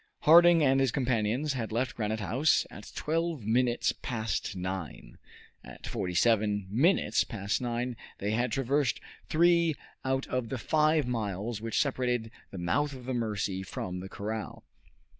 Harding and his companions had left Granite House at twelve minutes past nine. At forty seven minutes past nine they had traversed three out of the five miles which separated the mouth of the Mercy from the corral.